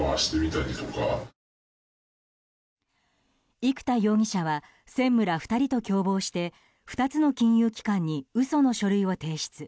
生田容疑者は専務ら２人と共謀して２つの金融機関に嘘の書類を提出。